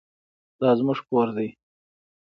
دا زموږ کور دی.